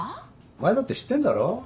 お前だって知ってんだろ？